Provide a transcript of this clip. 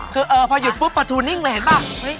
คือพอหยุดปุ๊บประทูนิ่งเลยเห็นป่ะ